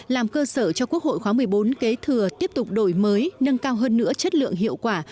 làm cơ sở cho quốc hội khóa một mươi bốn kế thừa tiếp tục đổi mới nâng cao hơn nữa chất lượng hiệu quả